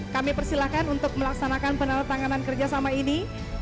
kami persilahkan untuk melaksanakan penandatanganan kerjasama ini